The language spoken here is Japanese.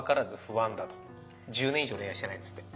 １０年以上恋愛してないですって。